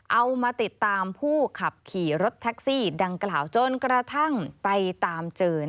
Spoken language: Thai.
เอามาติดตามผู้ขับขี่รถแท็กซี่ดังกล่าวจนกระทั่งไปตามเจอ